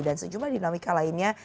dan sejumlah dinamika lainnya